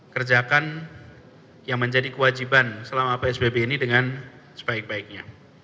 kerjakan yang menjadi kewajiban selama psbb ini dengan sebaiknya